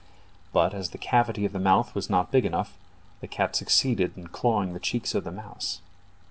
But as the cavity of the mouth was not big enough, the cat succeeded in clawing the cheeks of the mouse.